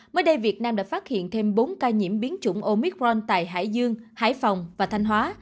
mới đây việt nam đã phát hiện thêm bốn ca nhiễm biến chủng omicron tại hải dương hải phòng và thanh hóa